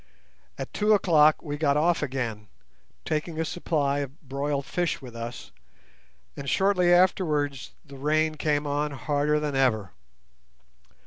At two o'clock we got off again, taking a supply of broiled fish with us, and shortly afterwards the rain came on harder than ever.